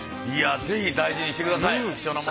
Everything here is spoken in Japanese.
ぜひ大事にしてください。